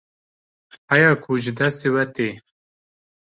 heya ku ji destê we tê